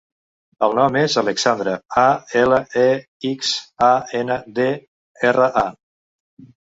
El nom és Alexandra: a, ela, e, ics, a, ena, de, erra, a.